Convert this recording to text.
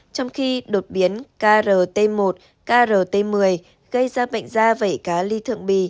trong khi đột biến krt một krt một mươi gây ra bệnh da vảy cá ly thượng bì